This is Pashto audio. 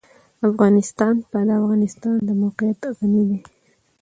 افغانستان په د افغانستان د موقعیت غني دی.